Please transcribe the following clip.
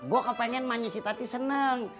gue kepengen manja si tati seneng